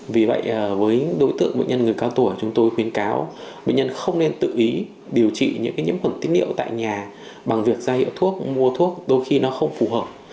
vì vậy với đối tượng bệnh nhân người cao tuổi chúng tôi khuyến cáo bệnh nhân không nên tự ý điều trị những nhiễm khuẩn tí niệm tại nhà bằng việc ra hiệu thuốc mua thuốc đôi khi nó không phù hợp